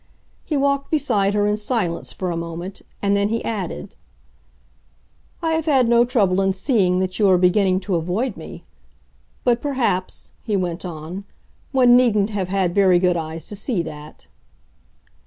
He walked beside her in silence for a moment, and then he added, "I have had no trouble in seeing that you are beginning to avoid me. But perhaps," he went on, "one needn't have had very good eyes to see that."